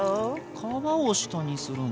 皮を下にするんだ。